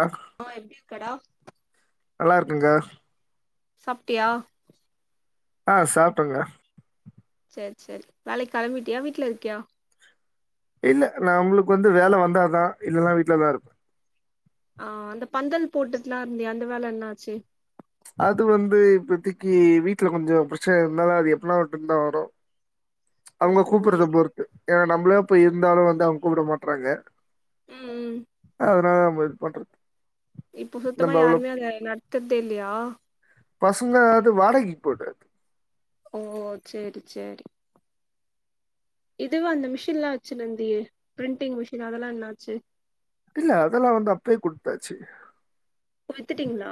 ஆ ஆ எப்டி இருக்கடா நல்லா இருக்குங்க சாப்டியா ஆஹ சாப்டாங்க சேர் சேர் வேலைக்கு கிளம்பிட்டியா வீட்ல இருக்கியா இல்ல நான் உங்களுக்கு வந்து வேல வந்தா தான் இல்லல்லாம் வீட்லதான் இருப்ப ஆ அந்த பந்தல் போட்டுட்டுலாம் இருந்தியே அந்த வேலை என்னாச்சு அது வந்து இப்பத்திக்கி வீட்ல கொஞ்சோ பிரச்சனை இருந்தாலும் அது எப்பனா ஒரு டைம் தான் வரும் அவங்க ஓஹோ கூப்பிடறத பொருத்து ஏன்னா நம்மளே போய் இருந்தாலும் வந்து அவங்க கூப்பிட மாட்டறாங்க இம் உம் அதனா நம்ம இது பண்றது இப்ப சுத்தமா நம்ம அவ்ளோ யாருமே அதை நடத்துறதே இல்லையா பசங்க அது வாடகைக்கு போய்டுறது ஓ சேரி சேரி இதுவ அந்த மிஷின் எலாம் வச்சிருந்தியே பிரிண்டிங் மிஷின் அதெல்லாம் என்னாச்சு இல்ல அதெல்லா வந்து அப்பயே கொடுத்தாச்சு வித்துட்டீங்களா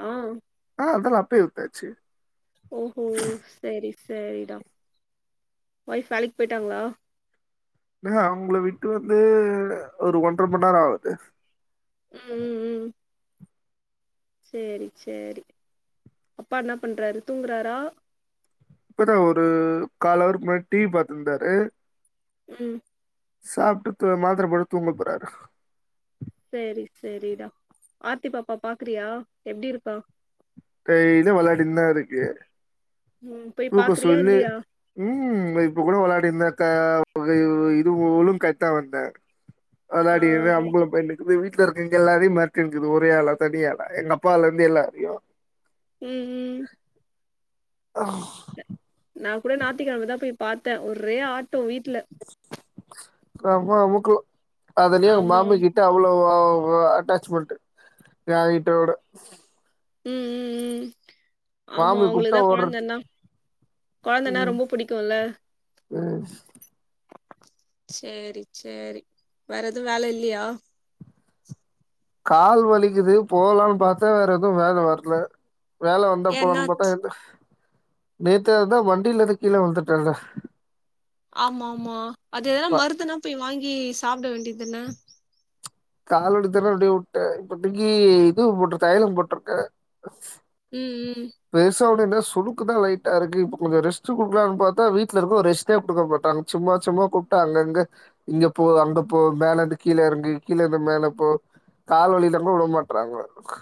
ஆ அதெல்லாம் அப்பே வித்தாச்சு ஓ ஹொ சரி சரிடா ஒயிப் வேலைக்கு போயிட்டாங்களா ஏ அவங்கள விட்டு வந்து ஒரு ஒன்றரை மண்நேரம் ஆகுது இம் உம் உம் சேரி சேரி அப்பா என்ன பண்றாரு தூங்குறாரா இப்பதான் ஒரு கால் அவர்க்கு முன்னாடி டி வி பாத்திருந்தாரு உம் சாப்ட்டு மாத்திரப்போட்டு தூங்க போறாரு சேரி சரிடா ஆர்த்தி பாப்பா பாக்குறியா எப்டி இருக்கா டெய்லியும் வெளையாடின்னு தான் இருக்கு. ம் போய் தூக்க பாக்குறியா சொல்லு இல்லையா உம் இப்ப கூட விளாடிட் தாந்தே இது ஒலும் கை தா வந்த ஆ அளாடி அமுக்குள்ள போய்னு எப்டி வீட்ல இருக்கெங் எல்லாரி மர்ட்டிக்கிது ஒரே ஆளா தனியாளா எங்கப்பால இர்ந்து எல்லா ரியு உம் உம் அஹ் நா கூட நாத்திக்கிழமதா போய் பாத்தே ஒர்ரே ஆட்டோ வீட்ல ரொம்ப அமுக்கு அதுலயே ஆமா ஆமா மாம கிட்ட தவ்ளோவோவோ அட்டாச்மெண்ட்டு யா வீட்டோடு உம் உம் உம் ஆமா மாமி கூப்ட்டா அவங்களுக்தா ஓடுறது கொழந்தன்னா கொழந்தனா ம் ரொம்ப புடிக்குல்ல ம் ச்சேரி ச்சேரி வேற எது வேல இல்லியா கால் வலிக்குது போலான் பாத்தா வேற எதுவ் வேல வரல வேலை வந்தா போற்னுபத்தா என்னாச் எந்தா நேத்து அததா வண்டில இரு கீழே விழ்ந்துட்டேல்ல ஆமா ஆமா அது மருதுனா போய் வாங்கி சாப்ட வேண்டிதன்ன காலுட தெர்லு அப்டியே வுட்ட இப்பத்திக்கி இதுவு போட்ரு தய்லும் போட்ருக்க ம் ம் பேசா அப்டின்னா சுலுக்கு தா லைட்டா இருக்கு இப்பு கொஞ்சு ரெஸ்ட்டு குடுக்லாம் பாத்தா வீட்லருக்கு ரெ்டே குடுக்க மாட்டாங் ச்சும்மா ச்சும்மா கூப்ட்டா அங்கங்க இங்க போ அங்க போ மேலந்து கீழ இறங்கு கீழந்து மேல போ கால் வலில கூட விட மாட்றாங்ளக்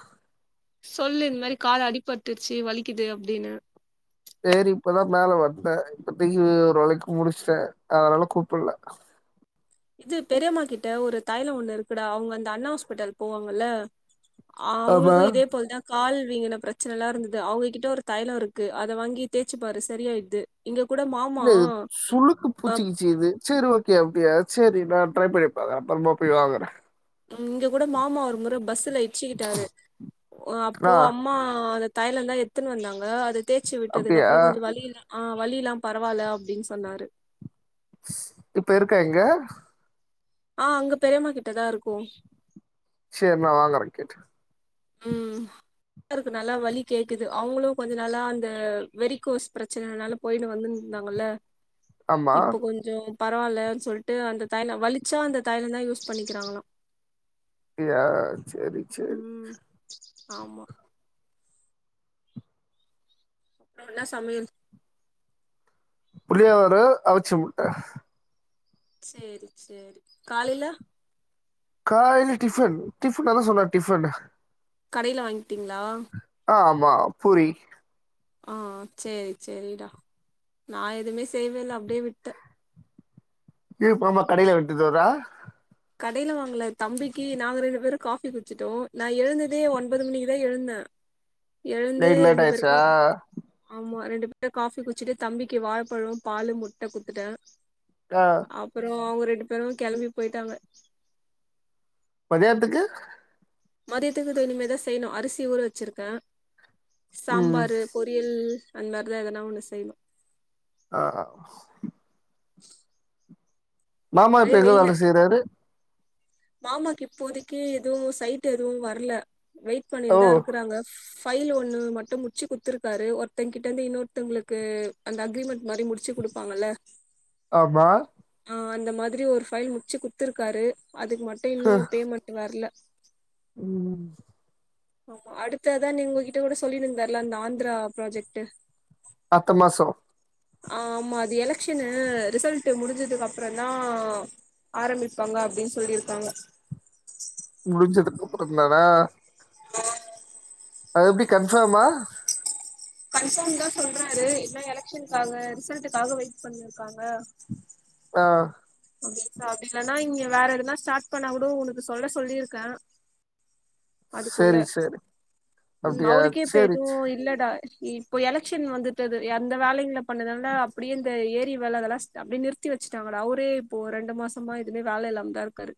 சொல்லு இந்த மாரி கால் அடிப்பட்டுர்ச்சி வலிக்கிது அப்டின்னு சேரி இப்பதா மேல வந்தே இப்பத்திக்கு ஒரு வேளைக் முடிச்ட்டே அதனால கூப்புல்ல இது பெரியம்மா கிட்ட ஒரு தாய்ல ஒண்ணு இருக்குடா அவ்ங் அந்த அண்ணா ஹாஸ்பிட்டல் போவாங்கல்ல ஆமா. அவ்ங்ளுக்கு இதே போல்தா கால் வீங்கின ப்ரச்சனல்லா இருந்தது அவங்ககிட்ட ஒரு தய்லோ இருக்கு அத வாங்கி தேச்சு பாரு சரியாயிர்து இங்க கூட மாப் இல்ல இதுப் சுளுக்கு பூச்சிக்கிச்சு இது ச்சரி ஓக் கே அப்டியா ச்சேரி நா ட்ரை பண்ணி பாக்கற அப்பற்மா போய் வாங்குறே இங்க கூட மாமா ஒரு முற பஸ்ஸுல இச்சிக்கிட்டாரு ஒ அப்போ ஆ அம் மா அத தைய்லதா எத்துன் வந்தாங்க அத தே்ச்சு அப்டியா? விட்டதுக்கப்றோ கொஞ்சு வழியில்லா ஆ வழி இல்லா பரவால்ல அப்டின் சொன்னாரு இப்ப இருக்கா இங்க ஆ அங்க பெரியமா கிட்ட தா இர்க்கோ ச்செர் நா வாங்கறை கேட்டு ம் ருக்கு நல்லா வலி கேக்குது அவ்ங்களு கொஞ்ச நாளா அந்த வெரிகோஸ் ப்ரச்சனைனாலப் போய்னு வந்துன் தாங்கல்ல ஆமா. இப்பு கொஞ்சோ பரவால்ல சொல்ட்டு அந்த தைய்லோ வலிச்சா அந்த தைய்ல தா யூஸ் பண்ணிக்கிறாங்ளா இ யாத் ம் ஆமா ன்னா சம்யல் புள்ளியாவரு அவிச்சு முட்டே ச்சேரி ச்சேரி காலைய்ல காய்லு டிஃபன் டிஃபன்ன தா சொன்ன டிஃபன்னு கடைல வாங்கிட்டீங்ளா ஆ ஆமா புரி ஆ ச்சேரி ச்செரிடா நா எதுமே செய்வேல அப்டியே விட்ட ஈவ்ப்பாமா கடைய்லே வெட்டிதோரா கடைய்ல வாங்ல தம்பிக்கி நாங்கு ரெண்டு பேரு காஃபி குடிச்சிட்டோ நா எழுந்ததே ஒன்பது மணிக்குதா எழுந்தே எழுந்து நைட் லேட் ரெண்டு ஆயிடுச்சா பேருக்கும் ஆமா ரெண்டு பே [inaudible] காஃபி குடிச்சிட்டு தம்பிக்கி வாழப்பழோ பாலு முட்ட குத்துட்டே ஆ அப்புறம் அவுங்க ரெண்டு பேரும் கெளம்பி போயிட்டாங்க பனியாரத்துக்கு மதியத்துக்கு த இனிம தான் செய்யணும் அரிசி ஊற வச்சிருக்கேன் ம் சாம்பாரு பொறியல் அந்தாக்குல எதனா ஒன்னு செய்யணும் ஆ மாமா ஒரே இப்ப எங்க வெயில வேல செய்றாரு மாமாக்கு இப்போதைக்கு எதுவும் சைட் எதுவும் வரல வெயிட் ஓ பண்ணிருந்தா இருக்குறாங்க ஃபைல் ஒன்னு மட்டும் முடிச்சு குடுத்துருக்காரு ஒருத்தங்க கிட்ட இருந்து இன்னொருத்தவுங்களுக்கு அந்த அக்ரிமெண்ட் மாரி முடிச்சு குடு ப்பாங்கல்ல ஆமா ஆ அந்த மாதிரி ஒரு ஃபைல் முடிச்சு குடுத்துருக்காரு அதுக்கு மட்டும் இன்னும் பேமெண்ட் வரல உம் ஆமா அடுத்ததா நீ உங்ககிட்ட கூட சொல்லிருந்தாருல அந்த ஆந்திரா ப்ராஜெக்ட்டு அடுத்த மாசம் ஆமா அது எலெக்க்ஷன்னு ரிசல்ட் முடிஞ்சதுக்கு அப்புற தான் ஆரம்பிப்பாங்க அப்படின் சொல்லிருக்காங்க முடிஞ்சதுக்கு அப்புறந்தானா அது எப்டி கன்ஃபார்மா கன்ஃபார்ம் தா சொல்றாரு என்ன எலெக்ஷனுக்காக ரிசல்ட்டுக்காக வெயிட் பண்ணிருக்காங்க ஆ அப்டி இல்லன்னா இங்க வேற எதுனா ஸ்டார்ட் பண்ணா கூட உனக்கு சொல்ல சொல்லிருக்கே அதுக்குள்ள சரி சரி அப்படியா அவருக்கே இப்ப சரி எதுவு சரி. இல்லடா இப்போ எலெக்ஷன் வந்துட்டது அந்த வேலைங்கள பண்ணதுனால அப்டியே இந்த ஏரி வேல அதெல்லா அப்டியே நிறுத்தி வச்சுட்டாங்கடா அவரே இப்போ ரெண்டு மாசமா எதுவுமே வேல இல்லாம தா இருக்காரு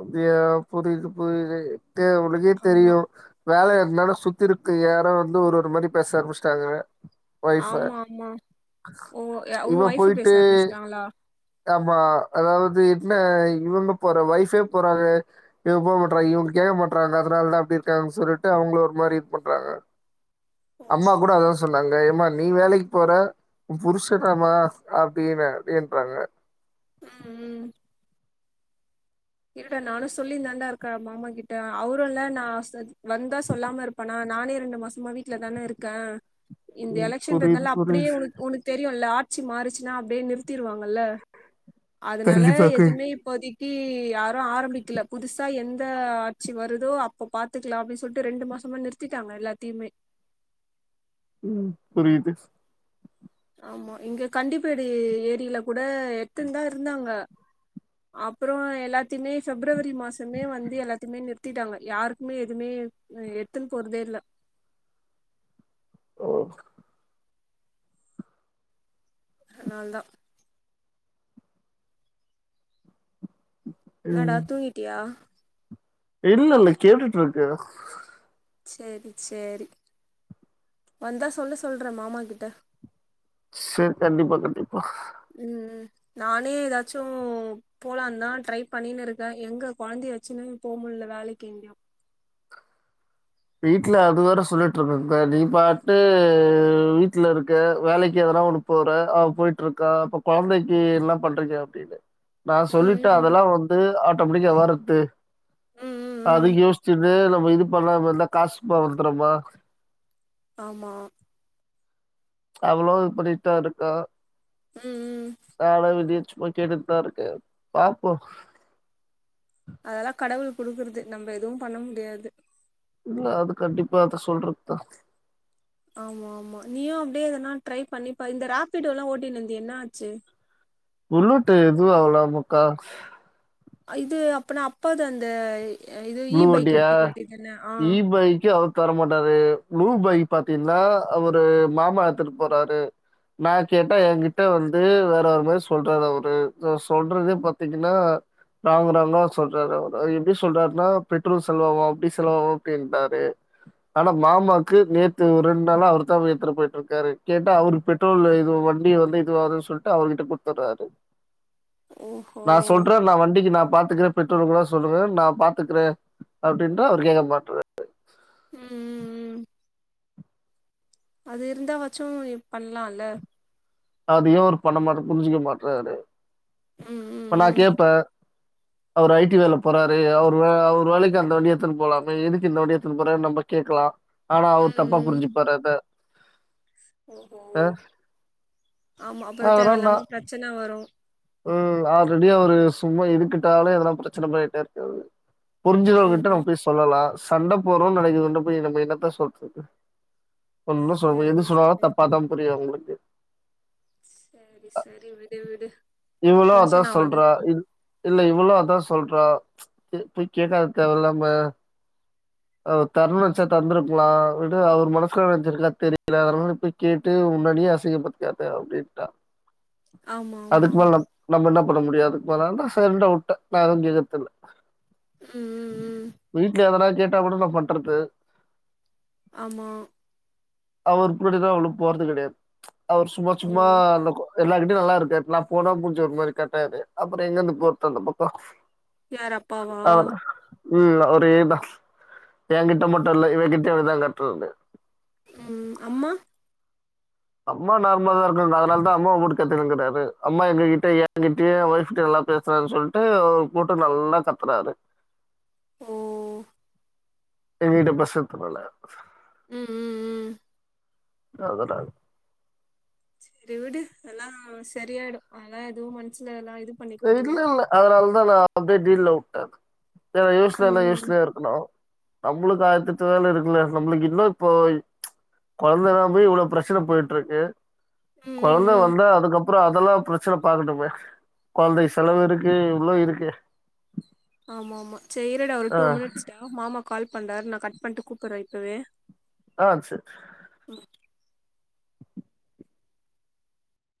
அப்டியா புரியுது புரியது டே உனக்கே ஆமா தெரியு வேல எந்தனால சுத்தி இருக்கு யாரு வந்து ஒரு ஒரு மாதிரி பேச ஆரம்பிச்சட்டாங்க வொய்ஃப் ஆமா ஆமா ஓ உ இவ ஒய்ஃபு பேச போயிட்டு ஆரம்பிச்சுட்டாங்களா ஆமா அதாவது என்ன இவங்க போற ஒய்ஃபே போறாங்க இவ போக மாட்றாங்க இவங்க கே மாட்றாங்க அதனால தா அப்டி இருக்காங்கன்ன சொல்லிட்டு அவங்கள ஒரு மாரி பண்றாங்க ஓ அம்மா கூட அதா சொ சொன்னாங்க ஏமா நீ வேலைக்கு போற உ புருஷடமா அப்டின்னு அப்டின்றாங்க ம் ம் இருடா நானு சொல்லிந்தான்டாருக்கே மாமா கிட்ட அவரு இல்ல நா வந்தா சொல்லாம இருப் இப்பனா நானே ரெண்டு மாசமா வீட்ல தானே இருக்கே இந்த ம். புரியுது, எலக்ஷன்றனால அப்டியே புரியுது. உனக் உனக்கு தெரியுல்ல ஆட்சி மாறிச்சுன்னா அப்டியே நிறுத்திருவாங்கல்ல அதனால கண்டிப்பாங்க. எதுவுமே இப்போதி க்கி யாரு ஆரம்பிக்கல புதுசா எந்த ஆட்சி வருதோ அப்ப பாத்துக்கலா அப்டின்னு சொல்லிட்டு ரெண்டு மாசமா நிறுத் நிறுத்திட்டாங்க எல்லாத்தையுமே ம் புரியிது ஆமா இங்க கண்டிப்பேடி ஏரியில கூட எத்துன் தா இருந்தாங்க அப்புற எல்லாத்தையுமே பிஃப்ரவரி மாசமே வந்து எல்லாத்தையுமே நிறுத்திட்டாங்க யாருக்குமே எதுவுமே எத்துன்னு போறதே இல்ல ஓ நான் தா என்னடா ம். தூங்கிட்டியா இல்ல இல்ல கேட்டுட்டு இருக்கே செரி செரி வந்தா சொல்ல சொல்றே மாமா கிட்ட செரி கண்டிப்பா கண்டிப்பா ம் நானே எதாச்சு போலாந்தா ட்ரை பண்ணின்னு இருக்கே எங்க கொழந்தைய வச்சுன்னு போ முட்ல வேலைக்கு எங்கயு வீட்ல அது வேற சொல்லிட்டு இருக்குங்க நீ பாட்டு வீட்ல இருக்க வேலைக்கு எதுனா ஒன்னு போற அவ போய்ட்ருக்கா அப்ப கொழந்தைக்கு எல்லா பண்றீங்க அப்டின்னே நா ம் சொல்லிட்டே ம் அதெல்லா வந்து ஆட்டோமெட்டிக்கா வர்றத்து ம் ம் ம் அத ம் யோசிச்சுன்னு நம்ம இது பண்ணாம இருந்தா காசுமா வந்துருமா ஆமா அவ்ளோ இது பன்னிட்டா இருக்கா ம் ம் நானே வெளியே ச்சும்மா கேட்டுட்தா இருக்கே பாப்போ அதெல்லா கடவுள் கொடுக்குறது நம்ம எதுவு பண்ண முடியாது இல்ல அது கண்டிப்பா அத சொல்றத்தா ஆமா ஆமா நீயு அப்டே எதனா ட்ரை பண்ணிப்ப இந்த ராப்பிடோல்லா ஓட்டின்ந்தியே என்னா ஆச்சு புள்ளோட்டு எது அவ்லா மொக்கா ஆ இது அப்பனா அப்பாத் அந்த எ இது இ பைக் எடுத்துக் வேன்டிதன ஆ பைக்கா தர மாட்டாரு ப்ளூ பை பாத்தீன்னா அவுரு மாமா எத்துக்கு போறாரு நா கேட்டா என்கிட்ட வர் பே வேற ஒரு மாரி சொல்றாரு அவரு சொல்றதே பாத்தீங்கன்னா ராங்கு ராங்கா சொல்றாரு அவரு எப்டி சொல்றாரு னா பெட்ரோல் செலவாவு அப்டி செலவாவு அப்டின்ட்டாரு ஆனா மாமாக்கு நேத்து ஒ ரெண் நாளா அவர் தா ஏத்னு போய்ட்ருக்காரு கேட்டா அவ்ரு பெட் ட்ரோல்ல இது வண்டி வந்து இதுவாது சொல்ட்டு அவருகிட்ட குடுத்துர்றாரு [inaudible] ஓஹோ நா சொல்றே நா வண்டிக்கு நா பாத்துக்கிறே பெட்ரோல் கூட சொல்லுக நா பாத் துக்றே அப்டின்றா அவர் கேக்க மாட்று ம்ம் அது இருந்தா வச்சு இ பண்லால அதுயு அவரு பண்ண மாட்றாரு புரிஞ்சுக்க மாட்டாரு ம் ம் இப்ப நா ம் கேட்ப அவரு ஐடி வேல போறாரு அவ்ரு வே அவ்ரு வேலைக் அந்த வண்டிய எத்தன்னு போலாமே எதுக்கு இந்த வண்டிய எத்துன் போறே நம்ப கேக்லா ஆனா அவர் தப்பா புரிஞ்சுப்பார் அது ஓ ஓ ஆமா அப்றோ அதெல்லாம் தேவலாம நான் பிரச்சன வரு ம் ஆல்ரெடி அவரு சும்மா இதுக்கிட்டாலே அதல்லா ப்ரச்சன பண்ணிட்டே இர்க்கற்து புரிஞ்சுக்கறவங்க ம் கிட்ட ம் நம்ம போய் சொல்லலா சண்டை போறோ நினைக்குறவங்க கிட்ட போய் நம்ம என்னத்த சொல்றது ஒண்ணு சொல்ல முடியாது சேரி எது சொன்னாலு சேரி தப்பாதா புரியு அவுங்களுக்கு சரி சரி விடு விடு இவுளு அதா டென்ஷன் ஆவாத சொல்றா இது இல்ல இவுளு அதா சொல்றா கே போய் கேக்காத் தேவ் இல்லாம [inaudible] அவ தர்னுன்ச்சா தந்துருக்லா விடு அவர் மனசுல வச்சிருக்ல தெரி ல அதனால நி போய் கேட்டு உன்ன நீயே அசிங்க பத்திக்காத அப்டின்ட்டா ஆமா ஆமா அதுக்கு மேல நம் நம்ம என்ன பண்ண முடியு அதுக்கு மேல நா சைலண்ட்டா வுட்டே நா எதும் கேக்குறது இல்ல ம் ம் ம் வீட்ல எதனா கேட்டா கூட நா பண்றது ஆமா அவர் படிதா அவ்ளவ் போறது கெடையாது அவர் சும்மா ஓ சும்மா அந்த எல்லார்கிட்டயு நல்லா இருக்கார் நா போனா மூஞ்ச ஒரு மாரி காட்ராரு அப்றோ எங்கருந்து போறது அந்த பக்கோ யார் அப்பாவா ம் அவரேதா ஏ கிட்ட மட்டு இல்ல இவ கிட்ட அவ்டிதா காட்ரது ம் அம்மா அம்மா நார்மலதா இருக்கு நா அதனாலதா அம்மாவ போட்டு கத்துறது கெடையாது அம்மா எங்ககிட்ட ஏகிட்டயு ஏ ஒய்ஃப்கு நல்லா பேசு பேச சொல்ட்டு போட்டு நல்லா கத்துறாரு ம் எங்ககிட்ட பேசுனத்துனால ம் ம் ம் [unintelligible] சரி விடு எல்லா சரியாயிடு அதெல்லா எதுவு மனசுல எல்லா எதுவு இல்ல இல்ல அதனாலதா நா வந்து டீல்ல உட்டே நா யோசிச்சன ம் யோசிச்சுனே இருக் ஹலோ நம்ளுக்கு ஆயரத்தெட்டு வேல இருக்குல்ல நம்ளுக்கு இன்னாப்போ கொழந்த இல்லாமயே இவ்ளோ பிரச்சன போயிட்ருக்கு ம் சொல்ல ம் ம் வந்தா அதுக்கப்றோ அதெல்லா பிரச்சன பாக்கட்டுமே கொழந்தைக் செலவு இருக்கு இவ்ளோ இருக்கு ஆமா ஆமா சேர் இருடா ஒரு ஆ. டூ மினிட்ஸ்டா எனம்மோ மாமா கால் பண்றாரு நா கட் பண்ட்டு கூப்பறே இப்பவே ஆ சேர் ம்